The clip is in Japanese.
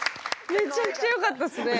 めちゃくちゃよかったですね。